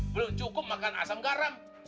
belum cukup makan asam garam